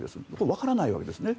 わからないわけですね。